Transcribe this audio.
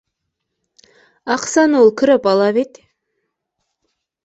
Аҡсаны ул көрәп ала бит